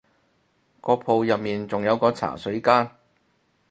個鋪入面仲有個茶水間